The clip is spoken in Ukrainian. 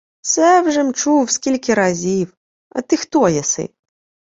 — Се вже-м чув скільки разів. А ти хто єси?